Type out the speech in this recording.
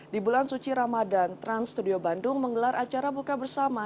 di bulan suci ramadan trans studio bandung menggelar acara buka bersama